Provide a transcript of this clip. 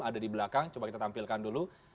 ada di belakang coba kita tampilkan dulu